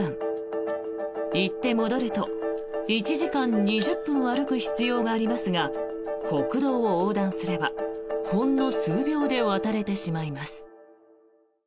行って戻ると１時間２０分歩く必要がありますが国道を横断すれば、ほんの数秒で渡れてしまいます。